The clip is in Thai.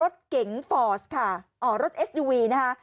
รถเก๋งฟอร์สค่ะอ๋อรถเอสยูวีนะคะ